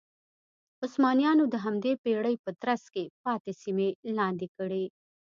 عثمانیانو د همدې پېړۍ په ترڅ کې پاتې سیمې لاندې کړې.